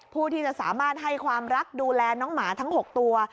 ผู้ที่จะสามารถให้ความรักดูแลน้องหมาทั้ง๖ตัว